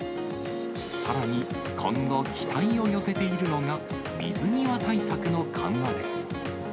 さらに、今後期待を寄せているのが、水際対策の緩和です。